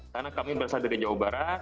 karena kami berasal dari jawa barat